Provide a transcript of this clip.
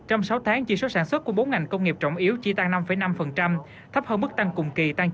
trong sáu tháng chi số sản xuất của bốn ngành công nghiệp trọng yếu chỉ tăng năm năm thấp hơn mức tăng cùng kỳ tăng chín